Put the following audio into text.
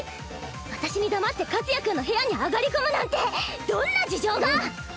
私に黙って和也君の部屋に上がり込むなんてどんな事情が？